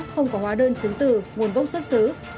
không có hóa đơn chứng từ nguồn gốc xuất xứ